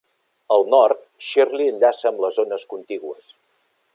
Al nord, Shirley enllaça amb les zones contigües.